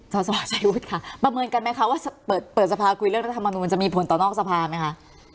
สสชัยวุฒิค่ะประเมินกันไหมคะว่าเปิดสภาคุยเรื่องรัฐมนูลจะมีผลต่อนอกสภาไหมคะ